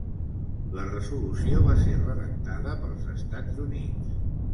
La resolució va ser redactada pels Estats Units.